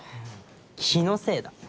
気のせいだ。